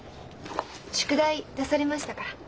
宿題出されましたから。